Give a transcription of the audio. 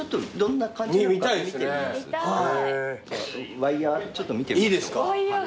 ワイヤーちょっと見てみましょうか。